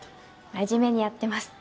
真面目にやってます。